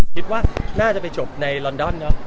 คิดว่าน่าจะไปจบในลอนดอนเนอะ